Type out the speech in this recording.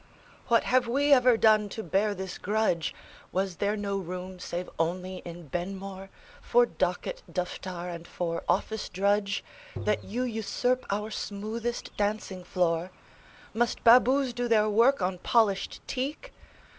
"What have we ever done to bear this grudge?" Was there no room save only in Benmore For docket, duftar, and for office drudge, That you usurp our smoothest dancing floor? Must babus do their work on polished teak?